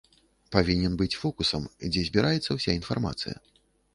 Павінен быць фокусам, дзе збіраецца ўся інфармацыя.